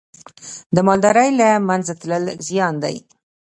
د مالدارۍ له منځه تلل زیان دی.